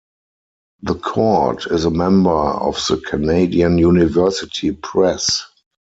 "The Cord" is a member of the Canadian University Press.